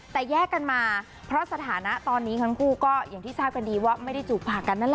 แต่แยกกันมาเพราะสถานะตอนนี้ทั้งคู่ก็อย่างที่ทราบกันดีว่าไม่ได้จูบปากกันนั่นแหละ